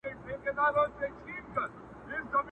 ماشومان يې بلاګاني په خوب ويني،